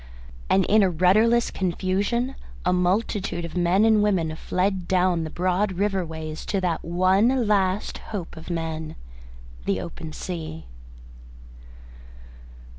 And in a rudderless confusion a multitude of men and women fled down the broad river ways to that one last hope of men the open sea.